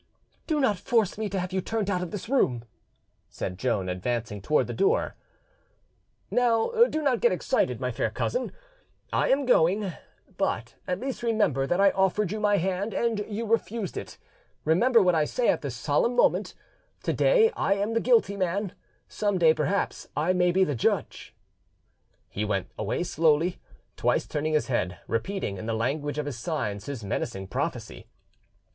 "Do not force me to have you turned out of this room," said Joan, advancing towards the door. "Now do not get excited, my fair cousin; I am going: but at least remember that I offered you my hand and you refused it. Remember what I say at this solemn moment: to day I am the guilty man; some day perhaps I may be the judge." He went away slowly, twice turning his head, repeating in the language of signs his menacing prophecy.